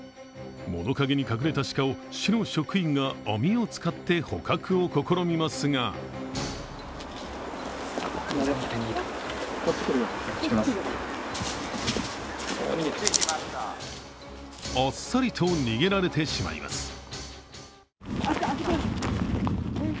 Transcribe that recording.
網を使って捕獲を試みますがあっさりと逃げられてしまいます。